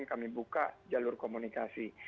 kami buka jalur komunikasi